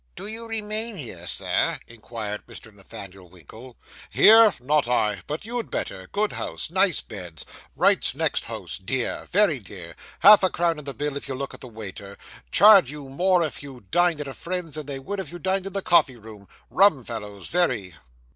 'Do you remain here, Sir?' inquired Mr. Nathaniel Winkle. 'Here not I but you'd better good house nice beds Wright's next house, dear very dear half a crown in the bill if you look at the waiter charge you more if you dine at a friend's than they would if you dined in the coffee room rum fellows very.